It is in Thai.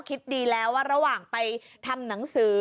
คิดดีแล้วว่าระหว่างไปทำหนังสือ